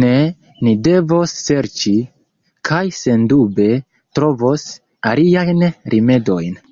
Ne, ni devos serĉi, kaj sendube trovos, aliajn rimedojn.